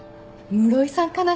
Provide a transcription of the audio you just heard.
室井さんかな。